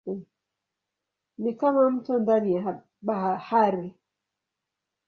Ni kama mto ndani ya bahari.